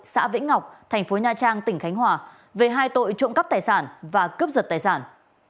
xã vĩnh ngọc thành phố nha trang tỉnh khánh hòa về hai tội trộm cắp tài sản và cướp giật tài sản